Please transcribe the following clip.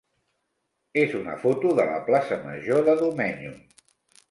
és una foto de la plaça major de Domenyo.